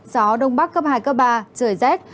gió đông bắc cấp hai cấp ba trời rét